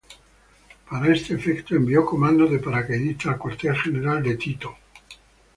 Para este efecto envió comandos de paracaidistas al cuartel general de Tito.